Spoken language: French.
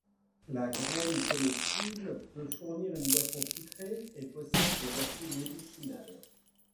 La graine, comestible, peut fournir une boisson sucrée et possède des vertus médicinales.